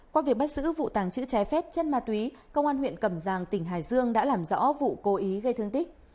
qua việc bắt giữ vụ tàng trữ trái phép chân ma túy công an huyện cầm giang tỉnh hải dương đã làm rõ vụ cố ý gây thương tích